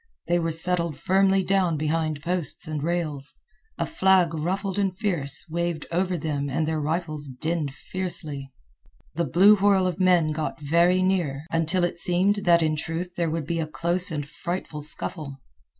They were settled firmly down behind posts and rails. A flag, ruffled and fierce, waved over them and their rifles dinned fiercely. The blue whirl of men got very near, until it seemed that in truth there would be a close and frightful scuffle.